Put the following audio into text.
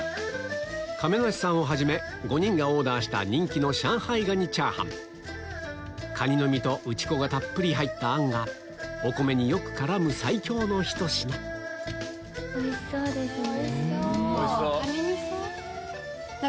亀梨さんをはじめ５人がオーダーした人気のカニの身と内子がたっぷり入ったあんがお米によく絡む最強のひと品いいっすね！